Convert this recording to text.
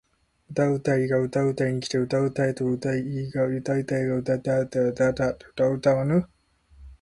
歌うたいが歌うたいに来て歌うたえと言うが歌うたいが歌うたうだけうたい切れば歌うたうけれども歌うたいだけ歌うたい切れないから歌うたわぬ！？